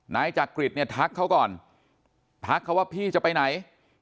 นายจักริตเนี่ยทักเขาก่อนทักเขาว่าพี่จะไปไหน